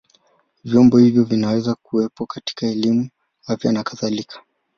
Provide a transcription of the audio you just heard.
Vyombo hivyo vinaweza kuwepo katika elimu, afya na kadhalika.